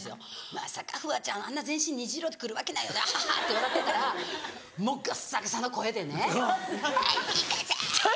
「まさかフワちゃんあんな全身虹色で来るわけないよなアハハ」って笑ってたらもうガッサガサの声でね「アンミカさん！」。